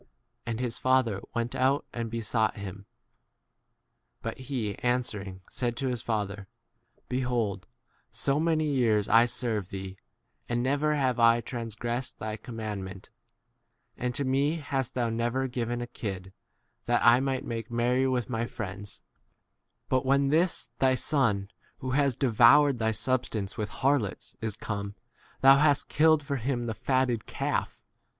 And r his father went out and besought 29 him. But he answering said to his father, Behold, so many years I serve thee, and never have I transgressed thy commandment; and to me hast thou never given a kid that I might make merry 30 with my friends ; but when this thy son, who has devoured thy substance with harlots, is come, thou hast killed for him the fatted 31 calf.